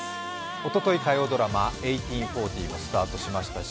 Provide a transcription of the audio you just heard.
おととい、火曜ドラマ「１８／４０」もスタートしましたし